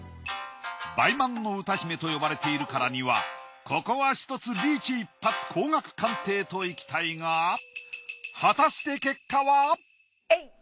倍満の歌姫と呼ばれているからにはここはひとつリーチ一発高額鑑定といきたいが果たして結果は？